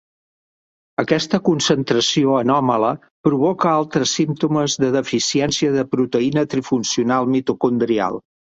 Aquesta concentració anòmala provoca altres símptomes de deficiència de proteïna trifuncional mitocondrial.